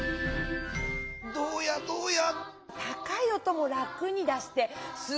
どうやどうや？